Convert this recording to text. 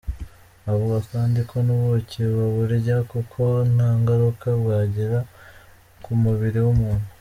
Avuga kandi ko n’ubuki baburya kuko nta ngaruka bwagira ku mubiri w’umuntu.